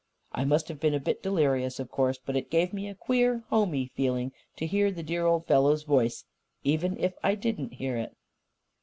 I must have been a bit delirious, of course. But it gave me a queer homey feeling to hear the dear old fellow's voice even if I didn't hear it."